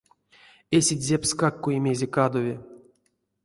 Эсеть зепскак кой-мезе кадови.